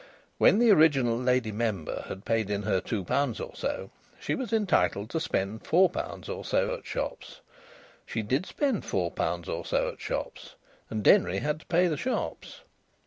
When the original lady member had paid in her two pounds or so, she was entitled to spend four pounds or so at shops. She did spend four pounds or so at shops. And Denry had to pay the shops.